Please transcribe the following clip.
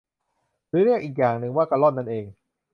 หรือเรียกอีกอย่างหนึ่งว่ากะล่อนนั่นเอง